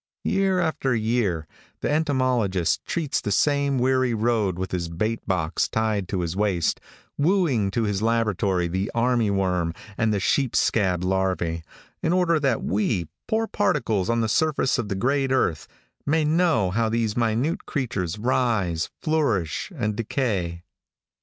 Year after year the entomologist treads the same weary road with his bait box tied to his waist, wooing to his laboratory the army worm and the sheep scab larvæ in order that we, poor particles on the surface of the great earth, may know how these minute creatures rise, flourish and decay.